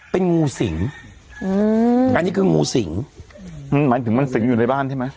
เป็นงูสิงอืมอันนี้คืองูสิงมันหมายถึงมันสิงอยู่ในบ้านใช่ไหม